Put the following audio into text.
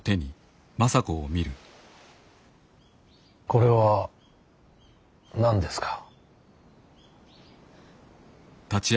これは何ですか。